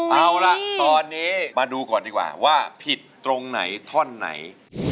เอาละตอนนี้มาดูก่อนดีกว่าว่าผิดตรงไหนท่อนไหน